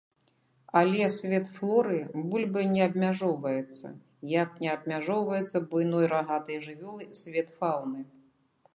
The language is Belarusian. Але свет флоры бульбай не абмяжоўваецца, як не абмяжоўваецца буйной рагатай жывёлай свет фауны.